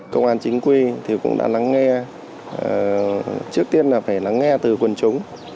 công an chính quy cũng đã lắng nghe trước tiên là phải lắng nghe từ quần chúng